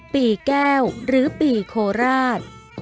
ปี่แก้วหรือปี่โคลาส